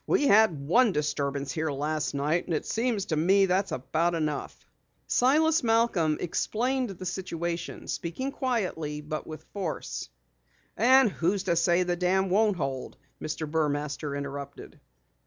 "We had one disturbance here last night and it seems to me that's about enough." Silas Malcom explained the situation, speaking quietly but with force. "And who says that the dam won't hold?" Mr. Burmaster interrupted.